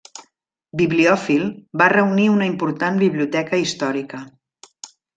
Bibliòfil, va reunir una important biblioteca històrica.